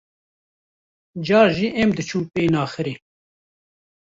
Car jî em diçun pey naxirê.